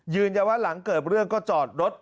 หลังว่าหลังเกิดเรื่องก็จอดรถ